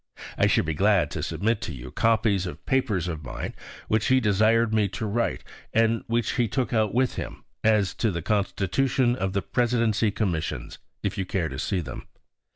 I should be glad to submit to you copies of papers of mine which he desired me to write and which he took out with him, as to the constitution of the Presidency Commissions, if you care to see them.